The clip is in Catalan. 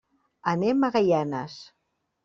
Anem a Gaianes.